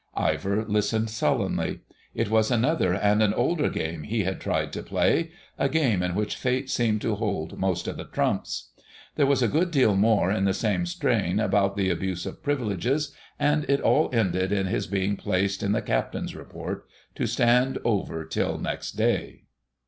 Ivor listened sullenly. It was another and an older game he had tried to play,—a game in which Fate seemed to hold most of the trumps. There was a good deal more in the same strain about the abuse of privileges, and it all ended in his being placed in the Captain's Report, to stand over till next day.